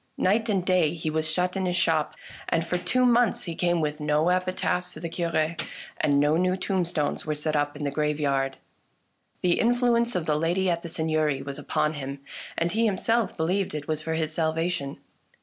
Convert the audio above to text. Night and day he was shut in his shop, and for two months he came with no epitaphs for the Cure, and no new tombstones were set up in the graveyard. The influence of the lady at the Seigneury was upon him, and he himself believed it was for his salvation.